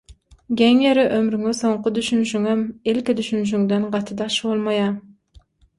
Geň ýeri, ömrüňe soňky düşünşiňem ilki düşünşiňden gaty daş bolmaýar.